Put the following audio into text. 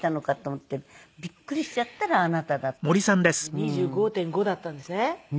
２５．５だったんですね